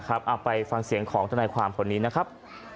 นะครับเอาไปฟังเสียงของเท่าในความคนนี้นะครับ